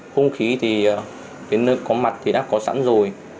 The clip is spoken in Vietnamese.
không khí thì cái nơi có mặt thì đã có sẵn rồi